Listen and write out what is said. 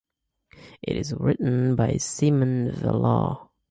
It is written by Simon Vallor.